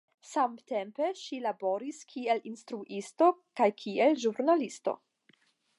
Samtempe ŝi laboris kiel instruisto kaj kiel ĵurnalisto.